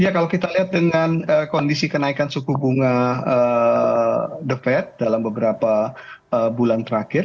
ya kalau kita lihat dengan kondisi kenaikan suku bunga the fed dalam beberapa bulan terakhir